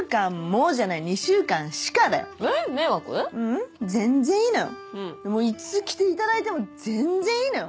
ううん全然いいのよいつ来ていただいても全然いいのよ。